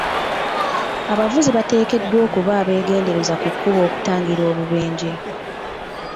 Abavuzi bateekeddwa okuba abegendereza ku kkubo okutangira obubenje.